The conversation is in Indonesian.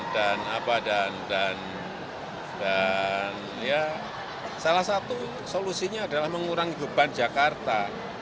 dan salah satu solusinya adalah mengurangi beban jakarta